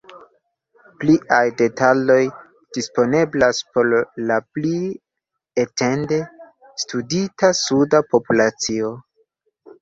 Pliaj detaloj disponeblas por la pli etende studita suda populacio.